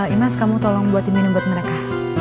imas kamu tolong buat ini buat mereka